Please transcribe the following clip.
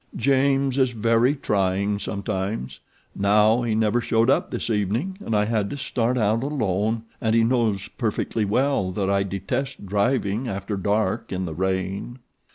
James is very trying sometimes. Now he never showed up this evening and I had to start out alone, and he knows perfectly well that I detest driving after dark in the rain."